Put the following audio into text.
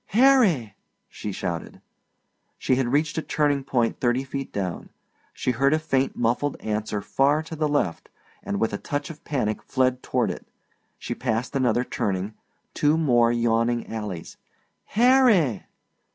"Harry!" she shouted. She had reached a turning point thirty feet down; she heard a faint muffled answer far to the left, and with a touch of panic fled toward it. She passed another turning, two more yawning alleys. "Harry!"